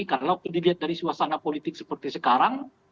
karena kalau dilihat dari suasana politik seperti sekarang